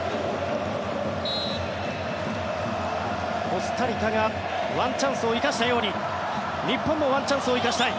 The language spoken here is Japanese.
コスタリカがワンチャンスを生かしたように日本もワンチャンスを生かしたい。